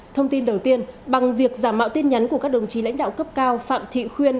thông tin đầu tiên bằng việc giả mạo tin nhắn của các đồng chí lãnh đạo cấp cao phạm thị khuyên